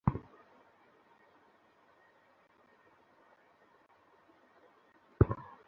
দেখো, রাজবীর শুধু কোহিনূর চুরি করেছিল এজন্যই, যেন সেটা নিরাপদ থাকে।